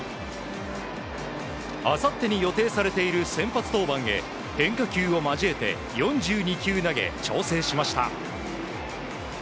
あさってに予定されている先発登板へ変化球を交えて４２球投げ調整しました。